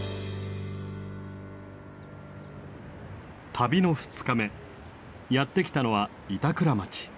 旅の２日目やって来たのは板倉町。